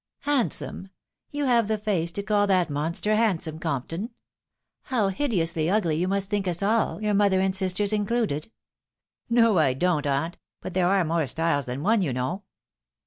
" Handsome? you have the face to call that monster hand some, Compton ? How hideously ugly you must think us all, your mother and sisters included." " No I don't, aunt. But there are more styles than one, you know."